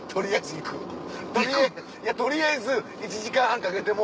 行く⁉取りあえず１時間半かけても。